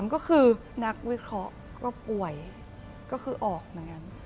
ก็คือนักวิเคราะห์ก็ป่วยก็คือออกเหมือนกัน